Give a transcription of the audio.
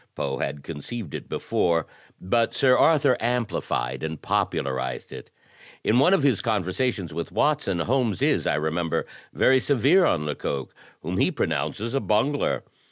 Poe had conceived it before, but Sir Arthur amplified and popularized it. In one of his conversations with Watson, Holmes is, I remember, very severe on Lecoq, whom he pronounces *a bungler.'